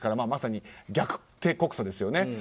まさに逆転告訴ですね。